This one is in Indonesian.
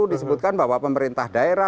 disebutkan bahwa pemerintah daerah